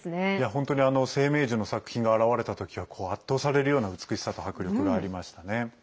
本当に生命樹の作品が現れたときは圧倒されるような美しさと迫力がありましたね。